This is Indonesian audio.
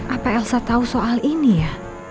apa elsa tahu soal ini ya